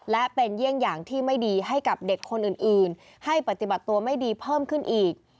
และเป็นเยี่ยงอย่างที่ไม่ดีให้กับเด็กคนอื่นให้ปฏิบัติตัวไม่ดีเพิ่มขึ้นอีก